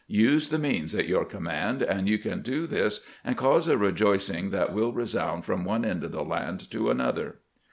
Use the means at your command, and you can do this, and cause a rejoicing that wiU resound from one end of the land to another."